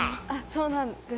そうなんです。